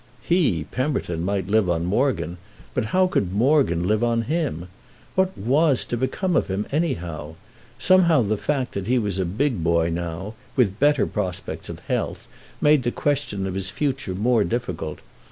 He, Pemberton, might live on Morgan; but how could Morgan live on him? What was to become of him anyhow? Somehow the fact that he was a big boy now, with better prospects of health, made the question of his future more difficult.